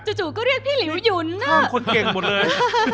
จู่ก็เรียกพี่ลิ้วยุนนะข้ามเขาเก่งหมดเลย